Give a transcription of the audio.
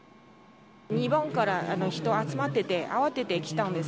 ２番から人集まってて、慌ててきたんです。